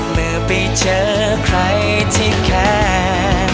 เมื่อไปเจอใครที่แคร์